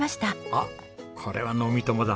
あっこれは飲み友だ。